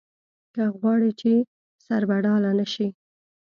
که غواړې چې سربډاله نه شې.